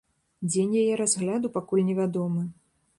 Дзень яе разгляду пакуль невядомы.